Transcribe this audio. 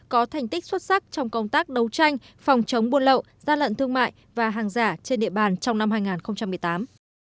có thành tích xuất sắc trong công tác đấu tranh phòng chống buôn lậu gian lận thương mại và hàng giả trên địa bàn trong năm hai nghìn một mươi tám